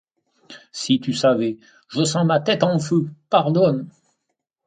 Si tu savais ! je sens ma tête en feu. Pardonne !